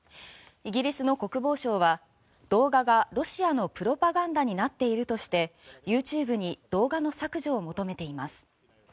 イギリスの国防省は動画がロシアのプロパガンダになっているとしてＹｏｕＴｕｂｅに動画の削除を求めています。